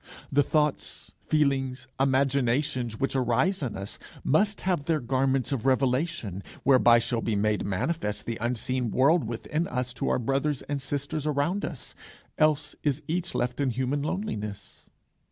The thoughts, feelings, imaginations which arise in us, must have their garments of revelation whereby shall be made manifest the unseen world within us to our brothers and sisters around us; else is each left in human loneliness.